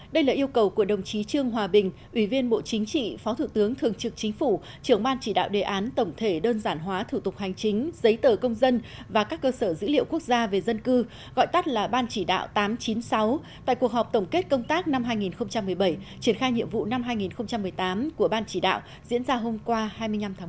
đây là yêu cầu của đồng chí trương hòa bình ủy viên bộ chính trị phó thủ tướng thường trực chính phủ trưởng ban chỉ đạo đề án tổng thể đơn giản hóa thủ tục hành chính giấy tờ công dân và các cơ sở dữ liệu quốc gia về dân cư gọi tắt là ban chỉ đạo tám trăm chín mươi sáu tại cuộc họp tổng kết công tác năm hai nghìn một mươi bảy triển khai nhiệm vụ năm hai nghìn một mươi tám của ban chỉ đạo diễn ra hôm qua hai mươi năm tháng một